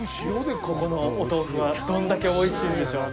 ここのお豆腐はどんだけおいしいんでしょう。